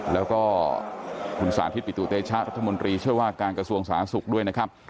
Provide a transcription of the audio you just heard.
แล้วก็คุณสาธิตปิตุเตชะรัฐมนตรีช่วยว่าการกระทรวงสาธารณสุขด้วยนะครับ